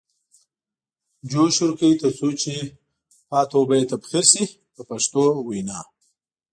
جوش ورکوي تر څو چې پاتې اوبه یې تبخیر شي په پښتو وینا.